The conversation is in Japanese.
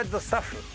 スタッフ？